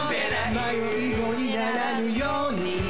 迷い子にならぬように